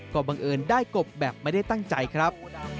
ก็บังเอิญได้กบแบบไม่ได้ตั้งใจครับ